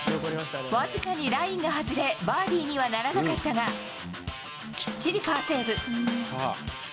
僅かにラインが外れ、バーディーにはならなかったが、きっちりパーセーブ。